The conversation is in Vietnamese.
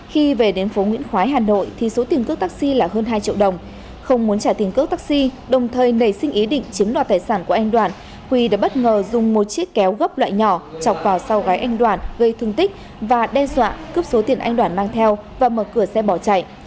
khi về đến phố nguyễn khói hà nội thì số tiền cước taxi là hơn hai triệu đồng không muốn trả tiền cước taxi đồng thời nảy sinh ý định chiếm đoạt tài sản của anh đoàn huy đã bất ngờ dùng một chiếc kéo gốc loại nhỏ chọc vào sau gái anh đoàn gây thương tích và đe dọa cướp số tiền anh đoàn mang theo và mở cửa xe bỏ chạy